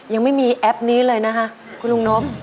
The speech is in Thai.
ยังไม่มีแอปนี้เลยนะคะคุณลุงนบ